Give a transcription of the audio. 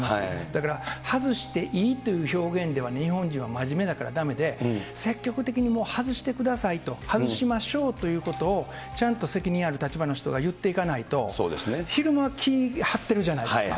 だから、外していいっていう表現では日本人は真面目だからだめで、積極的に外してくださいと、外しましょうということをちゃんと責任ある立場の人が言っていかないと、昼間、気を張ってるじゃないですか。